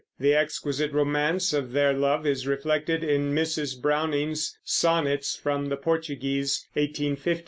The exquisite romance of their love is reflected in Mrs. Browning's Sonnets from the Portuguese (1850).